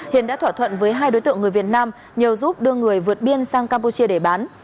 hiền đã thỏa thuận với hai đối tượng người việt nam nhờ giúp đưa người vượt biên sang campuchia để bán